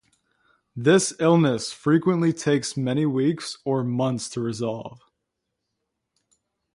This illness frequently takes many weeks or months to resolve.